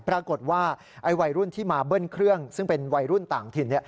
วัยรุ่นที่มาเบิ้ลเครื่องซึ่งเป็นวัยรุ่นต่างถิ่น